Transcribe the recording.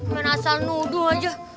menasar nuduh aja